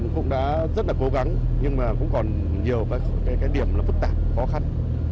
cũng đã rất là cố gắng nhưng mà cũng còn nhiều cái điểm là phức tạp khó khăn